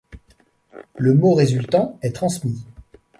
Le mot résultant est transmis.